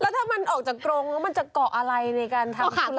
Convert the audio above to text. แล้วถ้ามันออกจากตรงมันจะเกาะอะไรในการทำตัวล่ะ